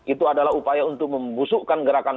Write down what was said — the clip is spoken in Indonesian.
itu adalah upaya untuk membusukkan gerakan